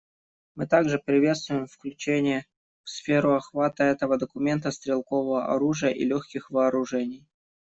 Мы также приветствуем включение в сферу охвата этого документа стрелкового оружия и легких вооружений.